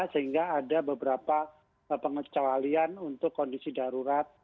sehingga ada beberapa pengecualian untuk kondisi darurat